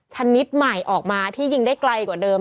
ชนิดใหม่ออกมาที่ยิงได้ไกลกว่าเดิม